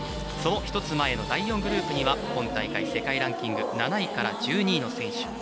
その１つ前の第４グループには今大会、世界ランキング７位から１２位の選手。